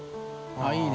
いいね。